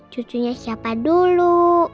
cucunya siapa dulu